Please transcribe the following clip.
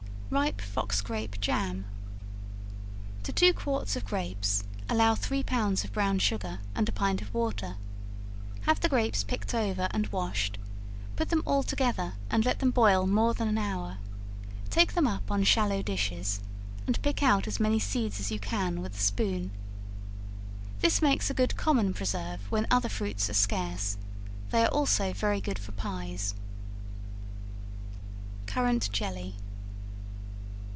Ripe Fox Grape Jam. To two quarts of grapes, allow three pounds of brown sugar, and a pint of water; have the grapes picked over and washed; put them all together and let them boil more than an hour; take them up on shallow dishes, and pick out as many seeds as you can with a spoon. This makes a good common preserve when other fruits are scarce; they are also very good for pies. Currant Jelly.